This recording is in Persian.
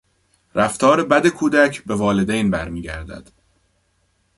رفتار بد کودک به والدین بر میگردد.